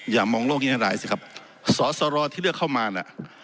อย่ามองโลกอย่างไรสิครับสอสรที่เลือกเข้ามานะ